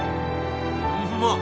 うまっ！